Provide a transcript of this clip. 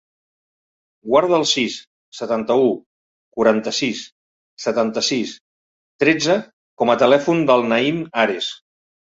Guarda el sis, setanta-u, quaranta-sis, setanta-sis, tretze com a telèfon del Naïm Ares.